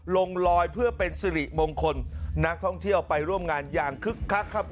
ลงลอยเพื่อเป็นสิริมงคลนักท่องเที่ยวไปร่วมงานอย่างคึกคักครับ